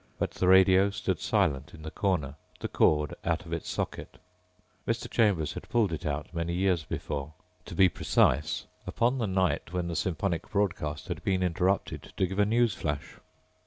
But the radio stood silent in the corner, the cord out of its socket. Mr. Chambers had pulled it out many years before. To be precise, upon the night when the symphonic broadcast had been interrupted to give a news flash.